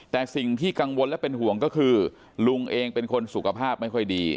แต่สิ่งที่กังวลและเป็นห่วงก็คือลุงเองเป็นคนสุขภาพไม่ค่อยดี